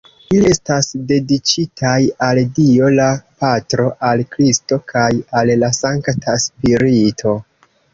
Ili estas dediĉitaj al Dio, la patro, al Kristo kaj al la Sankta Spirito.